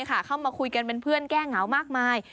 เข้ามาคุยกันเป็นเพื่อนแก้เหงามากมาย